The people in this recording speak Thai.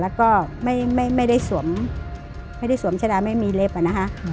แล้วก็ไม่ได้สวมไม่ได้สวมชะดาไม่มีเล็บอะนะคะ